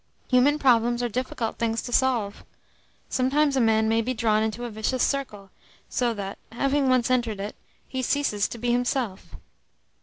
Human problems are difficult things to solve. Sometimes a man may be drawn into a vicious circle, so that, having once entered it, he ceases to be himself."